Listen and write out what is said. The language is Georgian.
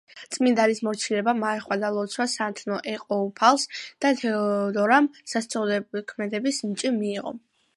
წმინდანის მორჩილება, მარხვა და ლოცვა სათნო ეყო უფალს და თეოდორამ სასწაულთქმედების ნიჭი მიიღო.